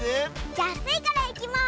じゃあスイからいきます！